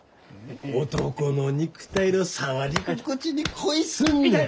男の肉体の触り心地に恋すんねん！